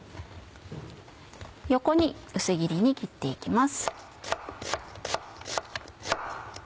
横に薄切りに切って行きます。